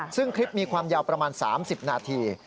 ซึ่งคลิปมีความยาวประมาณ๓๐นาที